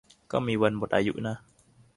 ก็มีวันหมดอายุนะ